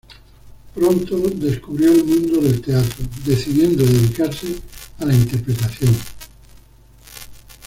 Pronto descubrió el mundo del teatro, decidiendo dedicarse a la interpretación.